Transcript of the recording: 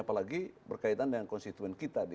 apalagi berkaitan dengan konstituen kita